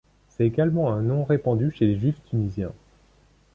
C'est également un nom répandu chez les juifs tunisiens.